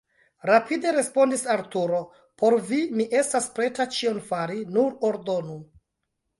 rapide respondis Arturo: por vi mi estas preta ĉion fari, nur ordonu!